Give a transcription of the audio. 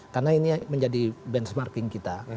karena ini menjadi benchmarking kita